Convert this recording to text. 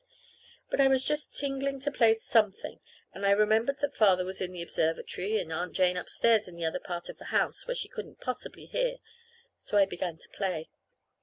But I was just tingling to play something, and I remembered that Father was in the observatory, and Aunt Jane upstairs in the other part of the house where she couldn't possibly hear. So I began to play.